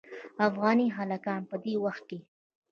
افغاني هلکان دې په دې وخت کې.